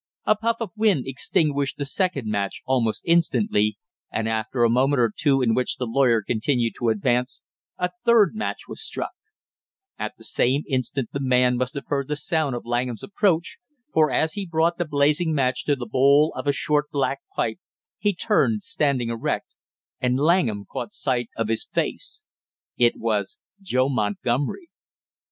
A puff of wind extinguished the second match almost immediately, and after a moment or two in which the lawyer continued to advance, a third match was struck; at the same instant the man must have heard the sound of Langham's approach, for as he brought the blazing match to the bowl of a short black pipe, he turned, standing erect, and Langham caught sight of his face. It was Joe Montgomery.